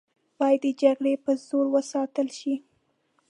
باید د جګړې په زور وساتله شي.